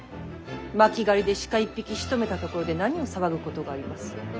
巻狩りで鹿一匹しとめたところで何を騒ぐことがあります。